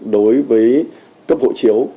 đối với cấp hộ chiếu